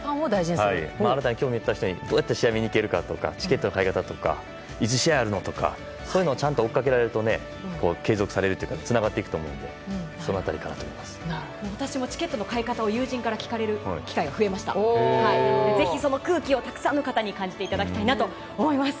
新たに興味を持った人にどうやったら試合見に行けるかとかチケットの買い方とかいつ試合あるのとかそういうのを追いかけられると継続されるというかつながっていくと思うので私もチケットの買い方を友人から聞かれる機会が増えたので、ぜひその空気をたくさんの方に感じていただきたいなと思います。